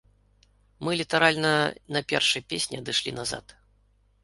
Мы літаральна на першай песні адышлі назад.